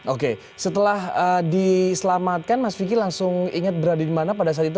oke setelah diselamatkan mas vicky langsung ingat berada di mana pada saat itu